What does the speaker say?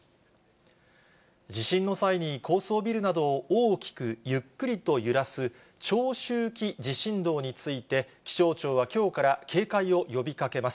地震の際に高層ビルなどを大きくゆっくりと揺らす長周期地震動について、気象庁はきょうから警戒を呼びかけます。